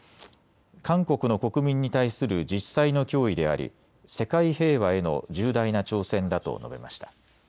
韓国の国民に対する実際の脅威であり世界平和への重大な挑戦だと述べました。